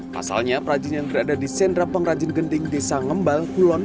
pasalnya perajin yang berada di sentra pengrajin gending desa ngembal kulon